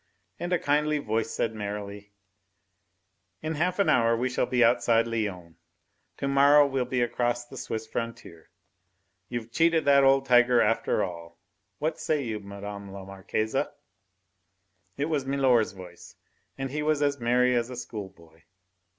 And a kindly voice said merrily: "In half an hour we shall be outside Lyons. To morrow we'll be across the Swiss frontier. We've cheated that old tiger after all. What say you, Mme. la Marquise?" It was milor's voice, and he was as merry as a school boy.